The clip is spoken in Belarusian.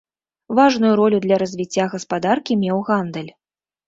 Важную ролю для развіцця гаспадаркі меў гандаль.